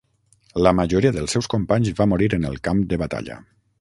La majoria dels seus companys va morir en el camp de batalla.